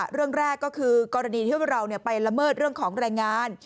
เรื่องแรกก็คือกรณีที่เราไปละเมิดเรื่องของแรงงาน